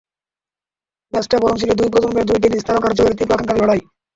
ম্যাচটা বরং ছিল দুই প্রজন্মের দুই টেনিস তারকার জয়ের তীব্র আকাঙ্ক্ষার লড়াই।